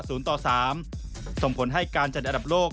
ส่งผลให้การจัดอันดับโลก